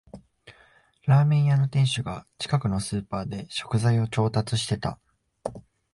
ラーメン屋の店主が近くのスーパーで食材を調達してた